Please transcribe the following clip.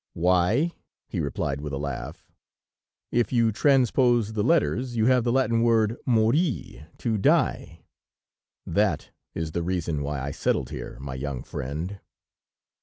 "Why?" he replied with a laugh. "If you transpose the letters, you have the Latin word mori, to die.... That is the reason why I settled here, my young friend."